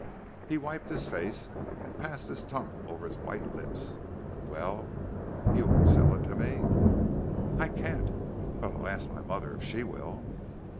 He wiped his face and passed his tongue over his white lips. "Well, you won't sell it to me?" "I can't. But I'll ask my mother if she will."